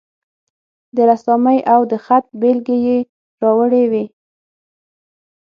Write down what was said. د رسامي او د خط بیلګې یې راوړې وې.